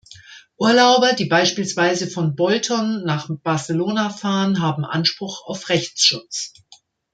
Urlauber, die beispielsweise von Bolton nach Barcelona fahren, haben Anspruch auf Rechtsschutz.